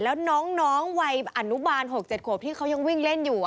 แล้วน้องวัยอนุบาล๖๗ขวบที่เขายังวิ่งเล่นอยู่